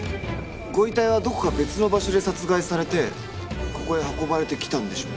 ご遺体はどこか別の場所で殺害されてここへ運ばれてきたんでしょうね。